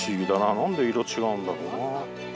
なんで色違うんだろうな。